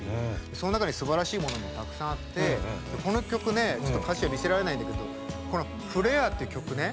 その中にすばらしいものもたくさんあってこの曲ねちょっと歌詞は見せられないんだけどこの「フレア」って曲ね歌詞